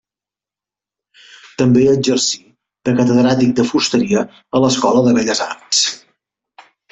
També exercí de catedràtic de fusteria a l'Escola de Belles Arts.